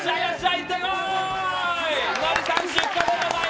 行ってこーい！